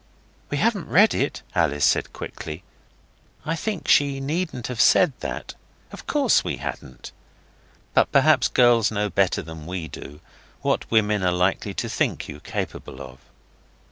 'We haven't read it,' Alice said quickly. I think she needn't have said that. Of course we hadn't. But perhaps girls know better than we do what women are likely to think you capable of.